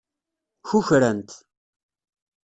Kukrant.